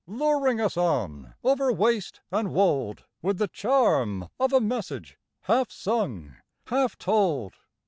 Luring us on over waste and wold With the charm of a message half sung, half told.